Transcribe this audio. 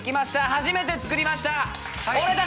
初めて作りました。